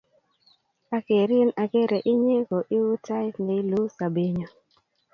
Akerin akere inye ko iu tait ne iluu sobennyu.